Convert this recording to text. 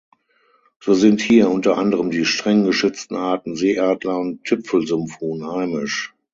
So sind hier unter anderem die streng geschützten Arten Seeadler und Tüpfelsumpfhuhn heimisch.